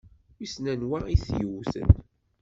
Wissen anwa i t-yewwten?